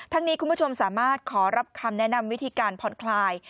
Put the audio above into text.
นี้คุณผู้ชมสามารถขอรับคำแนะนำวิธีการผ่อนคลาย